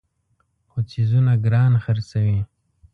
خو څیزونه ګران خرڅوي.